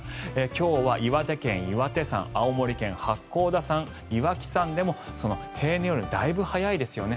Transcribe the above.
今日は岩手県・岩手山青森県・八甲田山岩木山でも平年よりだいぶ早いですよね